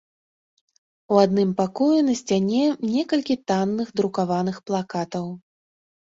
У адным пакоі на сцяне некалькі танных друкаваных плакатаў.